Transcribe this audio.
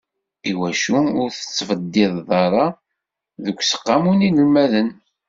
Iwacu ur d-tettbaddideḍ ara deg useqqamu n yinelmaden?